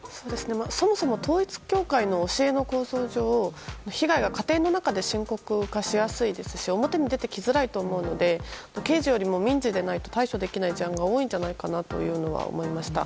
そもそも統一教会の教えの構造上被害が家庭の中で深刻化しやすいですし表に出てきづらいと思うので刑事でなくて民事じゃないと対処できない事案が多いんじゃないかと思いました。